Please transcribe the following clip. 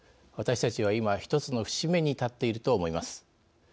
私たちは今、１つの節目に立っていると思います。